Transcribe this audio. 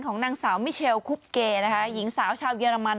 ของนางสาวมิเชลคุบเกนะคะหญิงสาวชาวเยอรมัน